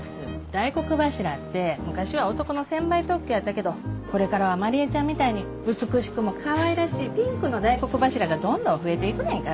大黒柱って昔は男の専売特許やったけどこれからは万里江ちゃんみたいに美しくもかわいらしいピンクの大黒柱がどんどん増えていくねんから。